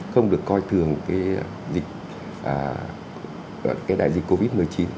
không được coi thường cái đại dịch covid một mươi chín